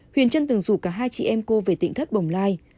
huyền trân từng rủ cả hai chị em cô về tỉnh thất bồng lai